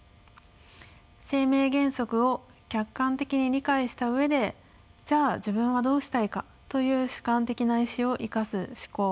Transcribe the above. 生命原則を客観的に理解した上でじゃあ自分はどうしたいかという主観的な意志をいかす思考